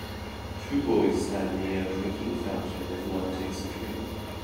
Two boys stand near a drinking fountain as one takes a drink.